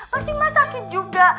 pasti mas sakit juga